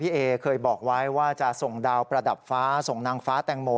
เอเคยบอกไว้ว่าจะส่งดาวประดับฟ้าส่งนางฟ้าแตงโม